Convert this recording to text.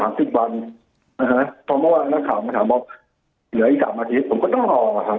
ตอนเมื่อวานนักข่าวมาถามว่าเหลืออีก๓อาทิตย์ผมก็ต้องรอครับ